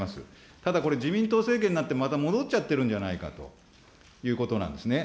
ただこれ、自民党政権になってまた戻っちゃってるんじゃないかということなんですね。